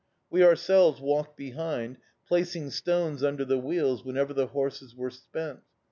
We ourselves walked behind, placing stones under the wheels whenever the horses were spent.